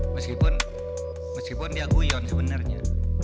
meskipun meskipun dia guyon sebenarnya